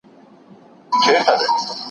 د موضوع په څېړنه کي د شاګرد لارښوونه اړینه ده.